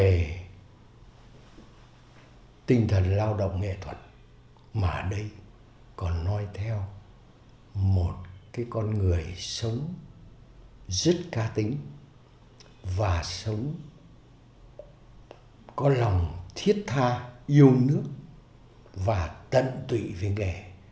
về tinh thần lao động nghệ thuật mà ở đây còn nói theo một cái con người sống rất ca tính và sống có lòng thiết tha yêu nước và tận tụy với nghề